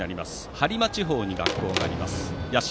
播磨地方に学校がある社。